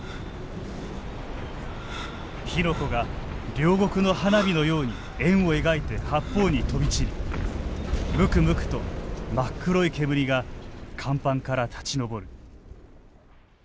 火の粉が両国の花火のように円を描いて八方に飛び散りむくむくと真っ黒い煙が甲板から立ち上る。